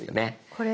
これ？